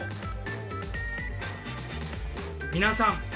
皆さん